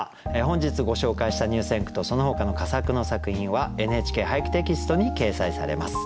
本日ご紹介した入選句とそのほかの佳作の作品は「ＮＨＫ俳句」テキストに掲載されます。